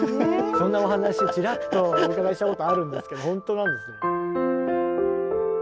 そんなお話ちらっとお伺いしたことあるんですけどほんとなんですね。